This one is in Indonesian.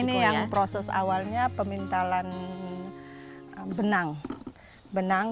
ini yang proses awalnya pemintalan benang